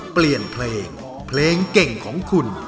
เปลี่ยนเพลงเพลงเก่งของคุณ